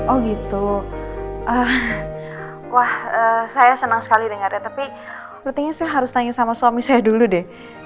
oh gitu wah saya senang sekali dengarnya tapi rutinnya saya harus tanya sama suami saya dulu deh